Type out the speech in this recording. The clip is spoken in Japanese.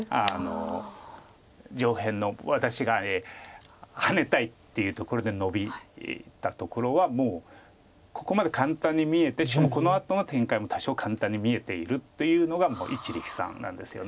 上辺の私がハネたいっていうところでノビたところはもうここまで簡単に見えてしかもこのあとの展開も多少簡単に見えているっていうのが一力さんなんですよね。